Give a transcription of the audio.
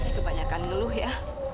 saya kebanyakan ngeluh ya